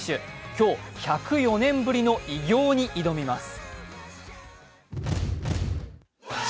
今日、１０４年ぶりの偉業に挑みます。